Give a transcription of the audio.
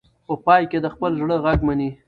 په پای کې د خپل زړه غږ مني.